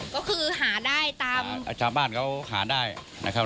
ก็คือจำบ้านเขาหาได้แล้วมาส่งนะครับ